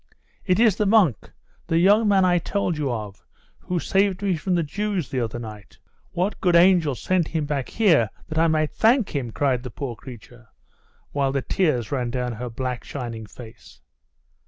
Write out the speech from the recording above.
'It is the monk! the young man I told you of, who saved me from the Jews the other night! What good angel sent him here that I might thank him?' cried the poor creature, while the tears ran down her black shining face.